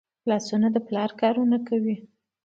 لاسونه د پلار کارونه کوي